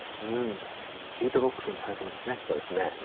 うんビートボックスも最高ですね。